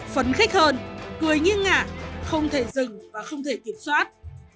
phấn khích hơn người nghiêng ngả không thể dừng và không thể kiểm soát